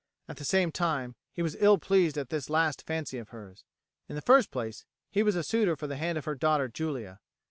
At the same time he was ill pleased at this last fancy of hers. In the first place, he was a suitor for the hand of her daughter Julia.